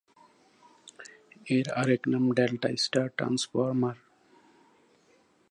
এর আরেক নাম ডেল্টা-স্টার ট্রান্সফরমার।